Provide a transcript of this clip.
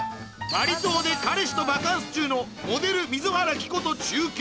バリ島で彼氏とバカンス中のモデル水原希子と中継